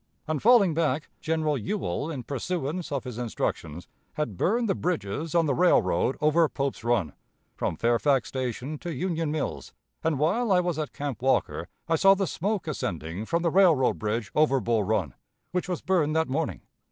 "On falling back, General Ewell, in pursuance of his instructions, had burned the bridges on the railroad over Pope's Run, from Fairfax Station to Union Mills, and while I was at Camp Walker I saw the smoke ascending from the railroad bridge over Bull Run, which was burned that morning.